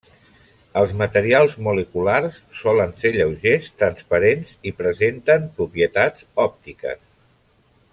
Els materials moleculars solen ser lleugers, transparents i presenten propietats òptiques.